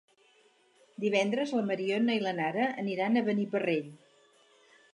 Divendres na Mariona i na Nara aniran a Beniparrell.